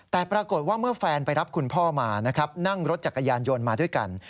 แต่ปรากฏว่าเมื่อแฟนไปรับคุณพ่อมานะครับนั่งรถจักรยานยนต์มาด้วยกัน